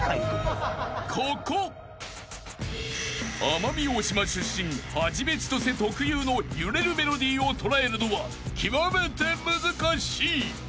［奄美大島出身元ちとせ特有の揺れるメロディーを捉えるのは極めて難しい］